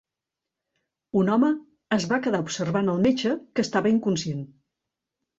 Un home es va quedar observant el metge, que estava inconscient.